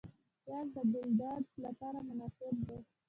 پیاز د ګلودرد لپاره مناسب دی